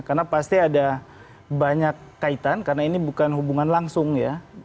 karena pasti ada banyak kaitan karena ini bukan hubungan langsung ya